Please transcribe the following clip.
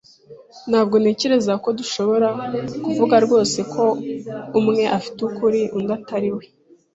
Ntabwo ntekereza ko dushobora kuvuga rwose ko umwe afite ukuri undi atari we.